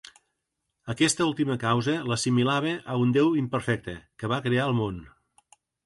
Aquesta última causa l'assimilava a un Déu imperfecte, que va crear el món.